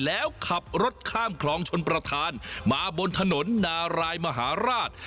แล้วขับรถข้ามคลองชนประธานมาบนถนนนารายมหาราช